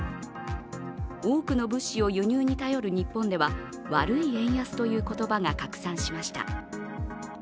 多くの物資を輸入に頼る日本では悪い円安という言葉が拡散しました。